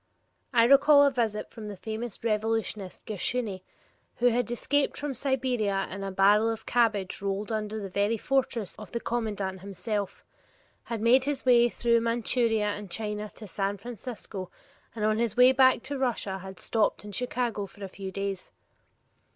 I recall a visit from the famous revolutionist Gershuni, who had escaped from Siberia in a barrel of cabbage rolled under the very fortress of the commandant himself, had made his way through Manchuria and China to San Francisco, and on his way back to Russia had stopped in Chicago for a few days.